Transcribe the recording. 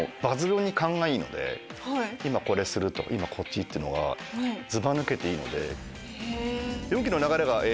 今これする！とか今こっち！っていうのがずばぬけていいので。